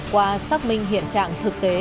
qua xác minh hiện trạng thực tế